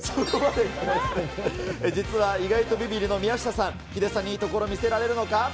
実は意外とびびりの宮下さん、ヒデさんにいいところ、見せられるのか。